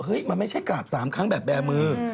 มันไม่ใช่กราบ๓ครั้งแบบแบร์มือ